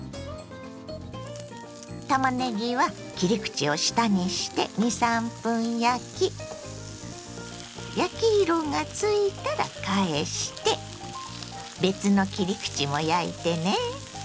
たまねぎは切り口を下にして２３分焼き焼き色がついたら返して別の切り口も焼いてね。